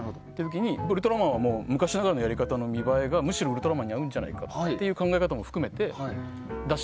「ウルトラマン」は昔ながらのやり方の見栄えがむしろ「ウルトラマン」に合うんじゃないかという考え方も含めてだし